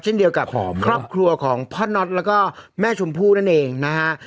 เช่นเดียวกับครอบครัวของพ่อน็อตแล้วก็แม่ชมพู่นั่นเองนะฮะ